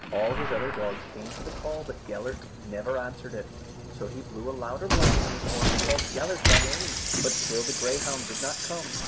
All his other dogs came to the call but Gellert never answered it. So he blew a louder blast on his horn and called Gellert by name, but still the greyhound did not come.